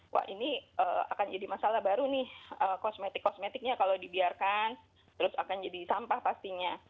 wah ini akan jadi masalah baru nih kosmetik kosmetiknya kalau dibiarkan terus akan jadi sampah pastinya